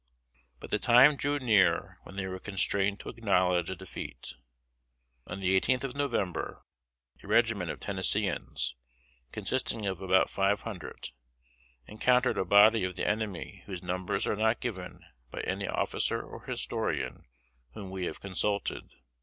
But the time drew near when they were constrained to acknowledge a defeat. On the eighteenth of November, a regiment of Tennesseeans, consisting of about five hundred, encountered a body of the enemy whose numbers are not given by any officer or historian whom we have consulted.